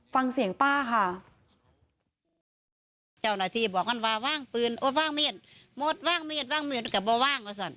ฟังเสียงป้าค่ะ